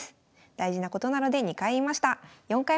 大事なことなので２回言いました。